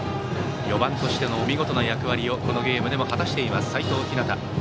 ４番としての見事な役割をこのゲームでも果たしている齋藤。